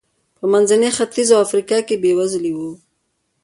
په منځني ختیځ او افریقا کې بېوزلي و.